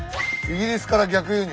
「イギリスから逆輸入！